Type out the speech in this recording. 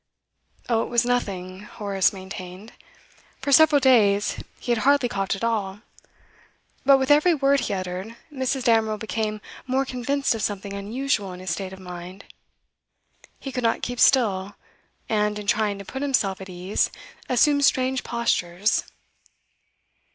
Oh, it was nothing, Horace maintained; for several days he had hardly coughed at all. But with every word he uttered, Mrs. Damerel became more convinced of something unusual in his state of mind; he could not keep still, and, in trying to put himself at ease, assumed strange postures.